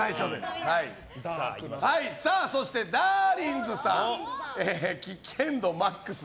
そして、だーりんずさん危険度ＭＡＸ